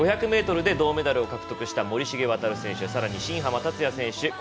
５００ｍで銅メダルを獲得した森重航選手さらに新濱立也選手